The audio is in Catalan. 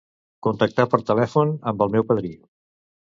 Contactar per telèfon amb el meu padrí.